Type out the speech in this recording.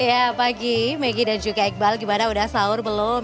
iya pagi maggie dan juga iqbal gimana udah sahur belum